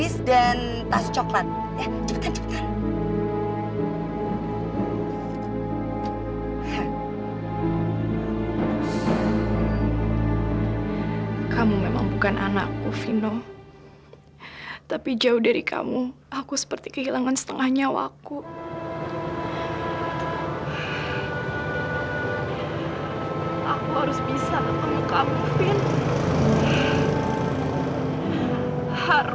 sampai jumpa di video selanjutnya